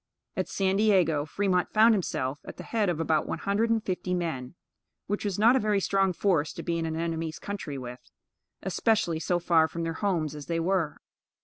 At San Diego, Fremont found himself at the head of about one hundred and fifty men, which was not a very strong force to be in an enemy's country with, especially so far from their homes as they were.